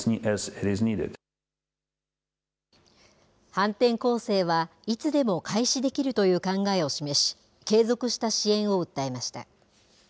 反転攻勢はいつでも開始できるという考えを示し、継続した支援を訴えました。